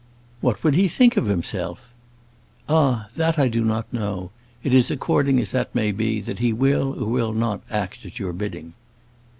"What would he think of himself?" "Ah, that I do not know. It is according as that may be, that he will or will not act at your bidding."